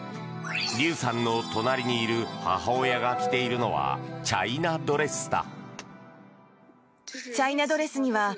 リュウさんの隣にいる母親が着ているのはチャイナドレスだ。